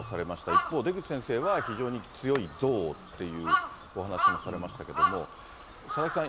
一方、出口先生は非常に強い憎悪というお話もされましたけども、佐々木さん